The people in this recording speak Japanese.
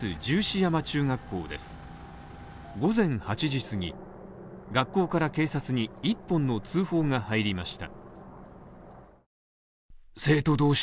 午前８時すぎ、学校から警察に１本の通報が入りました。